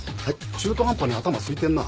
中途半端に頭すいてんな。